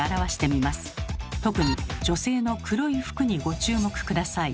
特に女性の黒い服にご注目下さい。